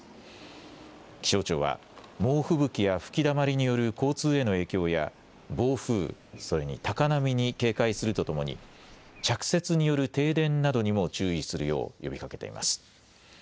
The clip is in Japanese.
気象庁は猛吹雪や吹きだまりによる交通への影響や暴風、それに高波に警戒するとともに着雪による停電などにも注意するよう呼びかけています。